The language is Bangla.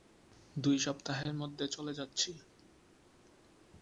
দুই সপ্তাহের মধ্যে চলে যাচ্ছি।